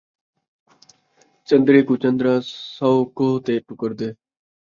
چن٘درے کوں چن٘درا ، سو کوہ تے ٹکردے